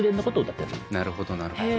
なるほどなるほど。